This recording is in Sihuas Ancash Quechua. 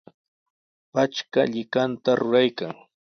Patrka llikanta ruraykan.